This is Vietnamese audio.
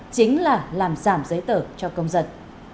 chính là làm giảm giấy tờ cho công dân